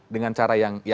dengan cara yang lama